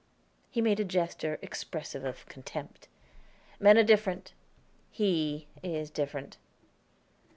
He made a gesture, expressive of contempt. "Men are different; he is different."